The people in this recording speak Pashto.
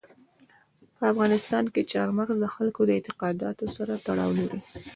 په افغانستان کې چار مغز د خلکو د اعتقاداتو سره تړاو لري.